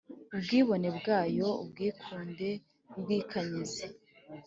ubwibone bwayo, ubwikunde n’ubwikanyize,